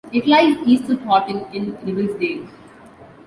It lies east of Horton in Ribblesdale.